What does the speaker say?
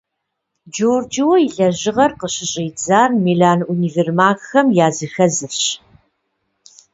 Джорджио и лэжьыгъэр къыщыщӀидзар Милан универмагхэм языхэзырщ.